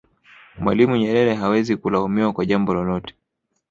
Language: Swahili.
mwalimu nyerere hawezi kulaumiwa kwa jambo lolote